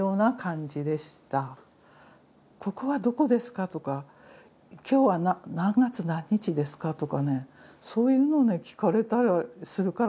「ここはどこですか？」とか「今日は何月何日ですか？」とかねそういうのをね聞かれたりするからね